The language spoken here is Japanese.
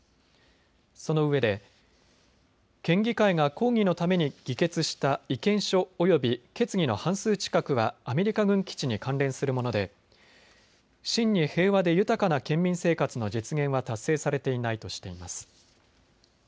そのうえで県議会が抗議のために議決した意見書および決議の半数近くはアメリカ軍基地に関連するもので真に平和で豊かな県民生活の実現は達成されていないとしています。